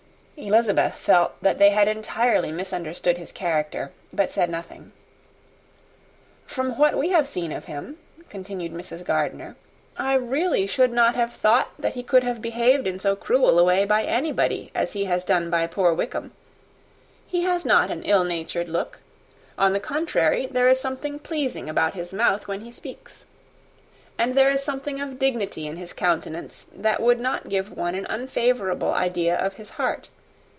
Elizabeth felt that they had entirely mistaken his character, but said nothing. "From what we have seen of him," continued Mrs. Gardiner, "I really should not have thought that he could have behaved in so cruel a way by anybody as he has done by poor Wickham. He has not an ill natured look. On the contrary, there is something pleasing about his mouth when he speaks. And there is something of dignity in his countenance, that would not give one an unfavourable idea of his heart.